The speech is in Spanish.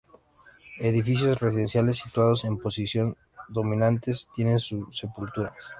Edificios residenciales situados en posiciones dominantes tienen sepulturas.